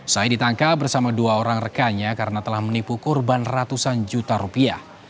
saya ditangkap bersama dua orang rekannya karena telah menipu korban ratusan juta rupiah